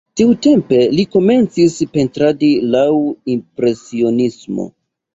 Tiutempe li komencis pentradi laŭ impresionismo.